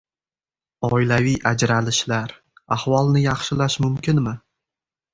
Oilaviy ajralishlar: ahvolni yaxshilash mumkinmi?